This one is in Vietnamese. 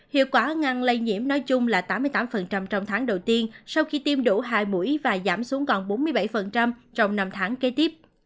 hiệu quả ngăn lây nhiễm nói chung là tám mươi tám trong tháng đầu tiên sau khi tiêm đủ hai mũi và giảm xuống còn bốn mươi bảy trong năm tháng kế tiếp